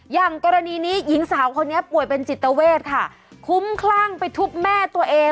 อย่างกรณีนี้หญิงสาวคนนี้ป่วยเป็นจิตเวทค่ะคุ้มคลั่งไปทุบแม่ตัวเอง